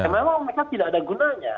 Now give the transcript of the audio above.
memang mereka tidak ada gunanya